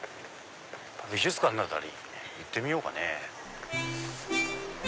美術館の辺り行ってみようかね。